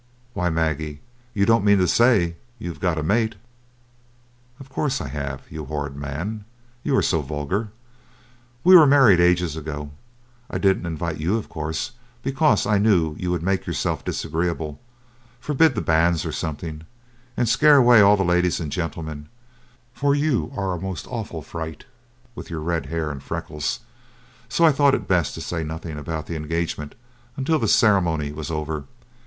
"Why, Maggie, you don't mean to say you have got a mate?" "Of course I have, you horrid man, you are so vulgar. We were married ages ago. I didn't invite you of course, because I knew you would make yourself disagreeable forbid the banns, or something, and scare away all the ladies and gentlemen, for you are a most awful fright, with your red hair and freckles, so I thought it best to say nothing about the engagement until the ceremony was over.